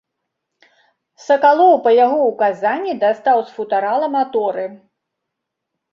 Сакалоў па яго ўказанні дастаў з футарала маторы.